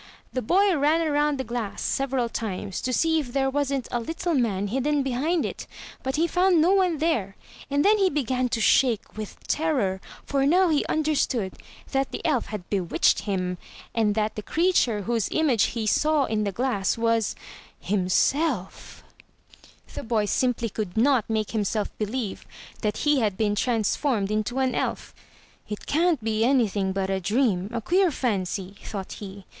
The boy ran around the glass several times, to see if there wasn't a little man hidden behind it, but he found no one there; and then he began to shake with terror. For now he understood that the elf had bewitched him, and that the creature whose image he saw in the glass was — ^himself. 414 THROUGH FAIRY HALLS The boy simply could not make himself believe that he had been transformed into an elf. " It can't be anything but a dream — a queer fancy/' thought he.